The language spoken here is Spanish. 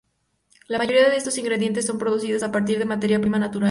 La mayoría de estos ingredientes son producidos a partir de materia prima natural.